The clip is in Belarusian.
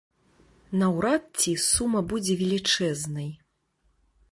Наўрад ці сума будзе велічэзнай.